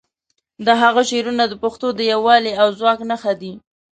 د هغه شعرونه د پښتو د یووالي او ځواک نښه دي.